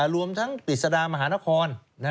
รวมทั้งกิจสดามหานคร